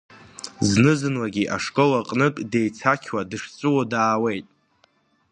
Зны-зынлагьы ашкол аҟнытә деиҵақьуа дышҵәуо даауеит…